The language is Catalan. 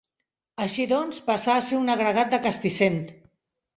Així doncs, passà a ser un agregat de Castissent.